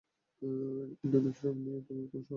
Aunty বিশ্রাম নিচ্ছে তুমি কোন সাহসে এখানে এসেছো?